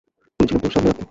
বলেছিলাম তো, সামলে রাখতে।